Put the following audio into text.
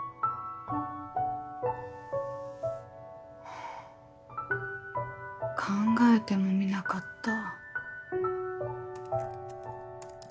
ハァ考えてもみなかった。